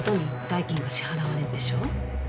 代金が支払われるでしょ